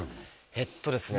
えっとですね